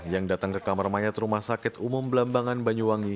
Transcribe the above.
yang datang ke kamar mayat rumah sakit umum belambangan banyuwangi